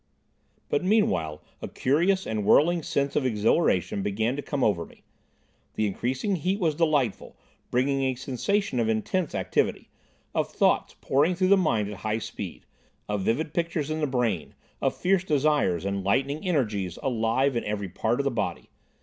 But, meanwhile, a curious and whirling sense of exhilaration began to come over me. The increasing heat was delightful, bringing a sensation of intense activity, of thoughts pouring through the mind at high speed, of vivid pictures in the brain, of fierce desires and lightning energies alive in every part of the body.